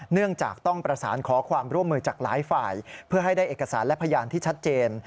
เนื่องจากต้องประสานขอความร่วมมือจากหลายฝ่ายเพื่อให้ได้เอกสารและพยานที่ชัดเจน